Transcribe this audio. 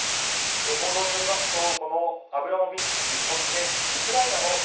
報道によりますとこのアブラモビッチ氏そしてウクライナの